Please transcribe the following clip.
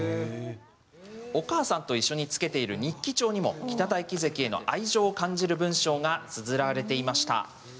お母さんと一緒につけている日記帳にも北太樹関への愛情を感じる文章がつづられていました。